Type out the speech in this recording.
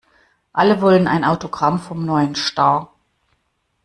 Alle wollen ein Autogramm vom neuen Star.